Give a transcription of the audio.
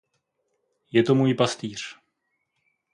Je to můj pastýř.